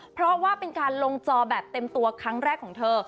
เพราะว่าเป็นการลงจอแบบเต็มตัวครั้งแรกของเธอ